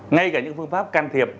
ngay cả những phương pháp can thiệp